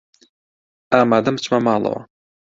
ئامادەم بچمە ماڵەوە.